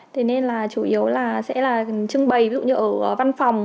thế nên là chủ yếu là sẽ là trưng bày ví dụ như ở văn phòng